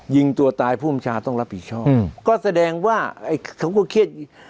ยิงตัวตายผู้อำชาต้องรับผิดชอบอืมก็แสดงว่าไอ้เขาก็เครียดอีก